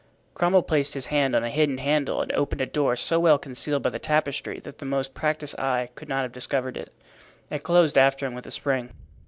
Cromwell placed his hand on a hidden handle and opened a door so well concealed by the tapestry that the most practiced eye could not have discovered it. It closed after him with a spring.